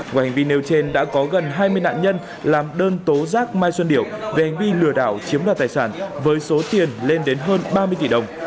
ngoài hành vi nêu trên đã có gần hai mươi nạn nhân làm đơn tố giác mai xuân điểu về hành vi lừa đảo chiếm đoạt tài sản với số tiền lên đến hơn ba mươi tỷ đồng